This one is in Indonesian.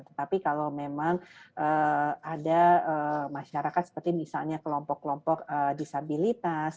tetapi kalau memang ada masyarakat seperti misalnya kelompok kelompok disabilitas